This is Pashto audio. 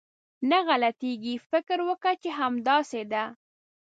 نه غلطېږي، فکر وکه چې همداسې ده.